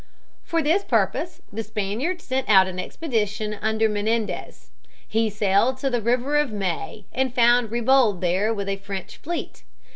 For this purpose the Spaniards sent out an expedition under Menendez (Ma nen' deth). He sailed to the River of May and found Ribault there with a French fleet.